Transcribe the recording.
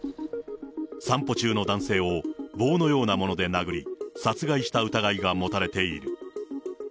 散歩中の男性を棒のようなもので殴り、殺害した疑いが持たれている。